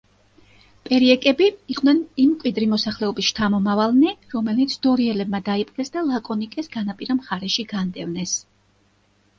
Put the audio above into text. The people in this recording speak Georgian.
პერიეკები იყვნენ იმ მკვიდრი მოსახლეობის შთამომავალნი, რომელნიც დორიელებმა დაიპყრეს და ლაკონიკეს განაპირა მხარეში განდევნეს.